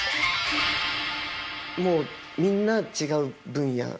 もうみんな違う分野？